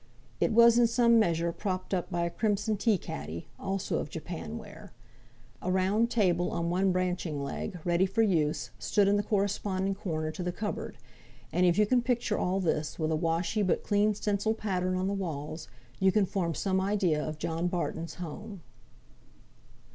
It was in some measure propped up by a crimson tea caddy, also of japan ware. A round table on one branching leg really for use, stood in the corresponding corner to the cupboard; and, if you can picture all this with a washy, but clean stencilled pattern on the walls, you can form some idea of John Barton's home.